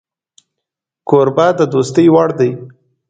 کوربه د دوستۍ وړ دی